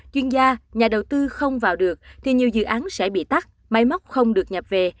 chuyên gia nhà đầu tư không vào được thì nhiều dự án sẽ bị tắt máy móc không được nhập về